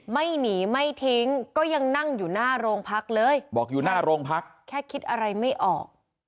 ไม่หนีไม่ทิ้งก็ยังนั่งอยู่หน้าโรงพักเลยบอกอยู่หน้าโรงพักแค่คิดอะไรไม่ออก